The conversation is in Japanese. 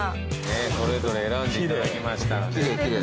それぞれ選んでいただきましたので。